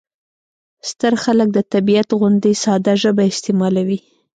ستر خلک د طبیعت غوندې ساده ژبه استعمالوي.